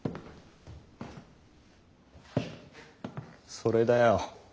それだよ。